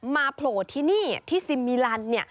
มาโผล่ที่นี่ที่ซิมิลันเนี่ย